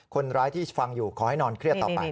คนร้ายที่ฟังอยู่ขอให้นอนเครียดต่อไป